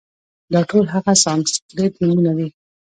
دا ټول هغه سانسکریت نومونه دي،